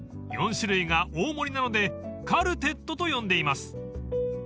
［４種類が大盛りなのでカルテットと呼んでいます］